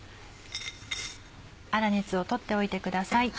粗熱をとっておいてください。